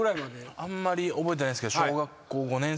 あんまり覚えてないですけど。